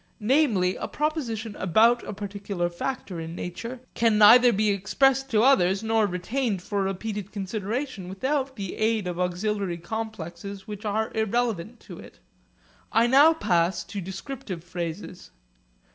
Namely, a proposition about a particular factor in nature can neither be expressed to others nor retained for repeated consideration without the aid of auxiliary complexes which are irrelevant to it. I now pass to descriptive phrases.